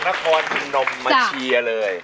คุณพ่อมันน่ากรนมมมาเชียร์เลย